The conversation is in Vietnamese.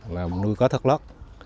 là nuôi cá thất lót